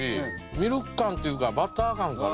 ミルク感っていうかバター感かね。